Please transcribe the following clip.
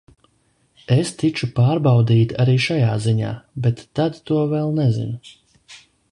Es tikšu pārbaudīta arī šajā ziņā, bet tad to vēl nezinu.